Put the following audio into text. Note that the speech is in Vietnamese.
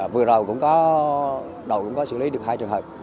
vừa rồi cũng có đầu cũng có xử lý được hai trường hợp